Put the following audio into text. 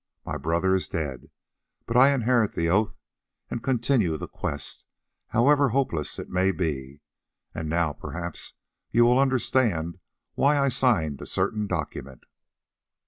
My brother is dead, but I inherit the oath and continue the quest, however hopeless it may be. And now, perhaps, you will understand why I signed a certain document."